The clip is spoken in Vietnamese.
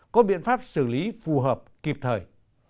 có biện pháp xử lý phù hợp kịp thời